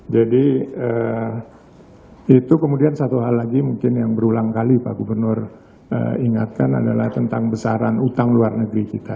jadi itu kemudian satu hal lagi mungkin yang berulang kali pak gubernur ingatkan adalah tentang besaran utang luar negeri kita